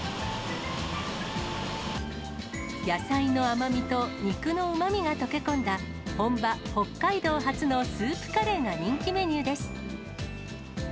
野菜の甘みと肉のうまみが溶け込んだ本場、北海道発のスープカレーが人気メニューです。